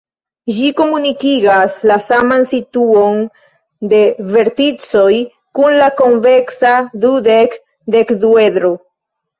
Ĝi komunigas la saman situon de verticoj kun la konveksa dudek-dekduedro.